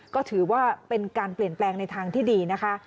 ก็ถือว่าเป็นการเปลี่ยนแปลงในทางที่ดีนะคะ